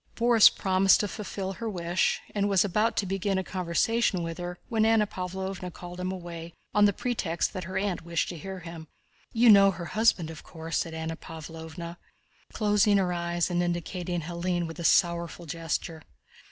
Borís promised to fulfill her wish and was about to begin a conversation with her, when Anna Pávlovna called him away on the pretext that her aunt wished to hear him. "You know her husband, of course?" said Anna Pávlovna, closing her eyes and indicating Hélène with a sorrowful gesture.